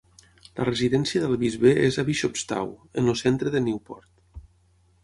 La residència del bisbe és a Bishopstow, en el centre de Newport.